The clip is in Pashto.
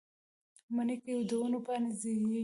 مني کې د ونو پاڼې ژیړیږي